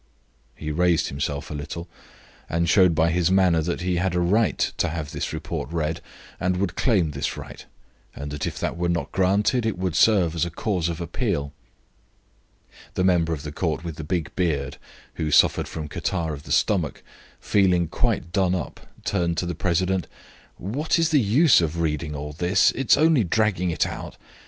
He raised himself a little, and showed by his manner that he had a right to have this report read, and would claim this right, and that if that were not granted it would serve as a cause of appeal. The member of the Court with the big beard, who suffered from catarrh of the stomach, feeling quite done up, turned to the president: "What is the use of reading all this? It is only dragging it out.